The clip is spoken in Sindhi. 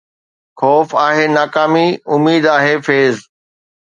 خوف آهي ناڪامي، اميد آهي فيض